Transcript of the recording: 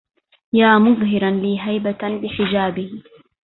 يا مظهرا لي هيبة بحجابه